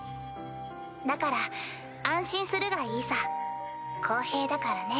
だから安心するがいいさ公平だからね